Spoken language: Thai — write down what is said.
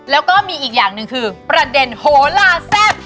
แล้วก็มีอีกอย่างหนึ่งคือประเด็นโหลาแซ่บ